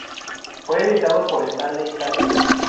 Fue editado por Stanley Sadie.